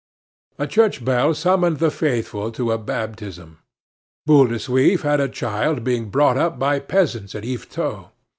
A church bell summoned the faithful to a baptism. Boule de Suif had a child being brought up by peasants at Yvetot.